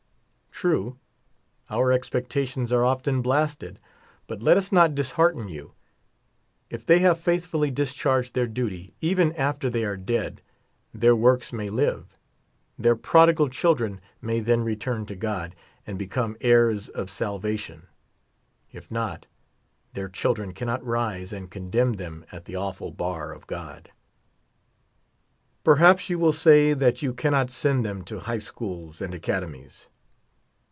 True, our expectations are often blasted ; but let us not dishearten 3'ou. If they have faithfully discharged their dut}*, even after they are dead, their works may live ; their prodigal children may then return to God, and be come heirs of salvation ; if not, their children cannot rise and condemn them at the awful bar of God. Perhaps you will say, that you cannot send them to high schools and academies.